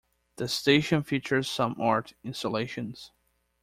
The station features some art installations.